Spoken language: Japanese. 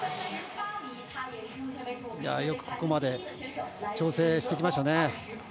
よくここまで調整してきましたね。